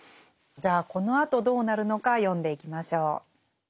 じゃあこのあとどうなるのか読んでいきましょう。